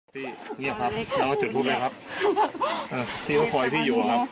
พี่เงียบครับแล้วจะพูดไหมครับเอ่อพี่ก็คอยพี่อยู่อ่ะครับ